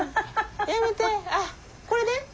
やめてあっこれで。